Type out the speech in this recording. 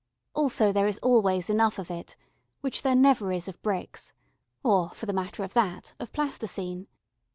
Also there is always enough of it, which there never is of bricks, or for the matter of that, of plasticine.